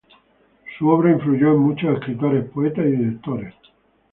Su obra influyó en muchos escritores, poetas y directores.